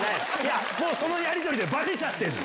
もうそのやり取りでばれちゃってんの。